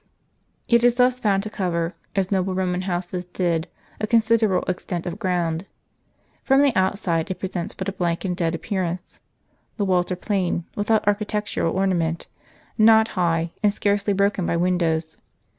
It is thus found to covei , as noble Roman houses did, a considerable extent of ground. From the outside it presents but a blank and dead appear * Hot baths. f Lib. iv. ep. 16. ■^ t^ w Iff ance. The walls are plain, without architectural ornament, not high, and scarcely broken by windows.